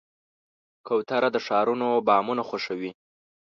کوتره د ښارونو بامونه خوښوي.